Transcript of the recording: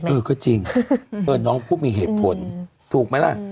เออก็จริงน้องผู้มีเหตุผลถูกไหมล่ะ